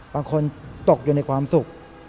บางคนตกอยู่ในความสุข